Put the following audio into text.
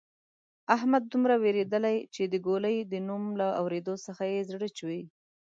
احمد دومره وېرېدلۍ چې د ګولۍ د نوم له اورېدو څخه یې زړه چوي.